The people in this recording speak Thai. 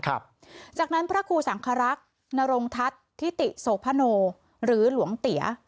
ครับจากนั้นพระครูสังครักษ์นรงทัศน์ทิติโสพโนหรือหลวงเตี๋ย